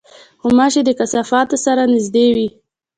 غوماشې د کثافاتو سره نزدې وي.